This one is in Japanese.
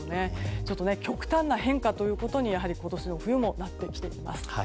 ちょっと極端な変化ということに今年の冬もなってきています。